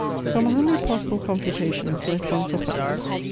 From a hundred possible confutations let one suffice.